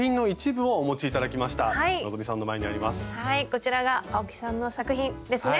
こちらが青木さんの作品ですね。